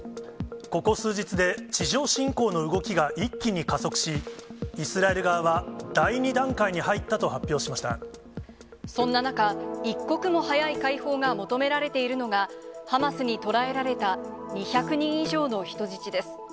ここ数日で地上侵攻の動きが一気に加速し、イスラエル側は第２段そんな中、一刻も早い解放が求められているのが、ハマスにとらえられた２００人以上の人質です。